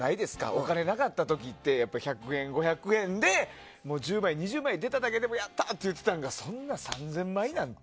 お金なかった時って１００円、５００円で１０枚、２０枚出ただけでやったー！って言ってたのがそんな３０００枚なんて。